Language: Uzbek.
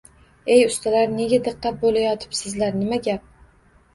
Ey, ustalar, nega diqqat bo‘layotibsizlar, nima gap